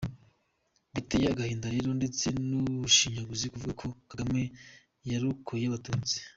Biteye agahinda rero, ndetse ni ubushinyaguzi kuvuga ko kagame yarokoye abatutsi.